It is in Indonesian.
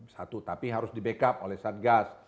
satu tapi harus di backup oleh satgas